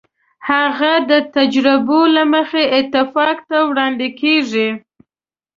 هغه د تجربو له مخې اتفاق ته وړاندې کېږي.